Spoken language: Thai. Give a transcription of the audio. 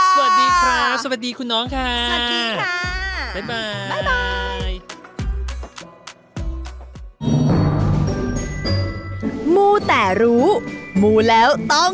สวัสดีครับสวัสดีคุณน้องค่ะสวัสดีค่ะ